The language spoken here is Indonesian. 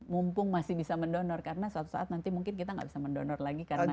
mumpung masih bisa mendonor karena suatu saat nanti mungkin kita nggak bisa mendonor lagi karena